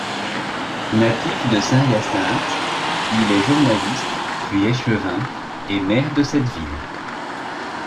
Natif de Saint-Hyacinthe, il est journaliste, puis échevin et maire de cette ville.